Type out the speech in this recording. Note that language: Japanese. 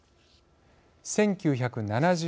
１９７２年